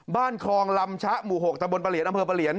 คลองลำชะหมู่๖ตะบนประเหลียนอำเภอประเหลียน